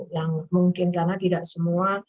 yang mungkin karena tidak semua